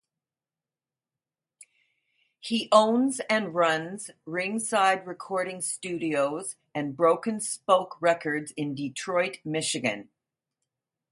He owns and runs Ringside Recording Studios and Broken Spoke Records in Detroit, Michigan.